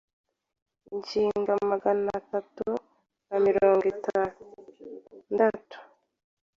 inshinga magana atatu na mirongo itandatu